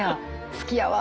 好きやわ。